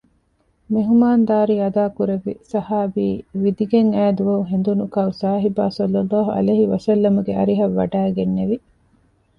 މެހުމާންދާރީ އަދާކުރެއްވި ޞަޙާބީ ވިދިގެން އައިދުވަހު ހެނދުނު ކައުސާހިބާ ޞައްލަﷲ ޢަލައިހި ވަސައްލަމަގެ އަރިހަށް ވަޑައިގެންނެވި